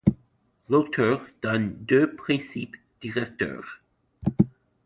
L’auteur donne deux principes directeurs.